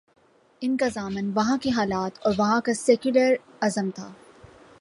ان کا ضامن وہاں کے حالات اور وہاں کا سیکولر ازم تھا۔